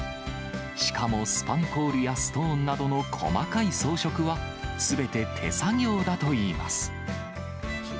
しかもスパンコールやストーンなどの細かい装飾は、すべて手作業だといいます。